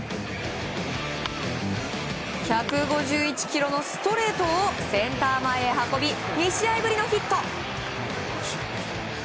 １５１キロのストレートをセンター前へ運び２試合ぶりのヒット。